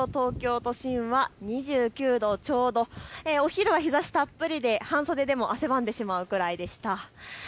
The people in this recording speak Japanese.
日中の最高気温を振り返ると東京都心は２９度ちょうど、お昼は日ざしたっぷりで半袖でも汗ばんでしまうくらいでした。